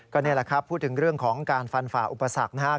ก็นี่แหละครับพูดถึงเรื่องของการฟันฝ่าอุปสรรคนะครับ